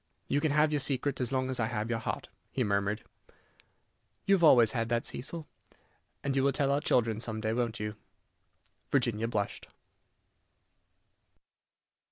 "You can have your secret as long as I have your heart," he murmured. "You have always had that, Cecil." "And you will tell our children some day, won't you?" Virginia blushed.